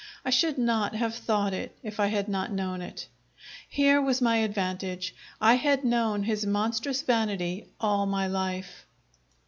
I should not have thought it, if I had not known it. Here was my advantage: I had known his monstrous vanity all my life.